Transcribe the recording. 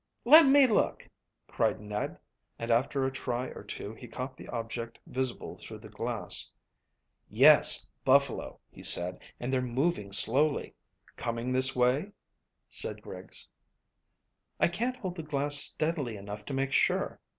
"Let me look," cried Ned, and after a try or two he caught the object visible through the glass. "Yes, buffalo," he said, "and they're moving slowly." "Coming this way?" said Griggs. "I can't hold the glass steadily enough to make sure.